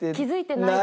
ない。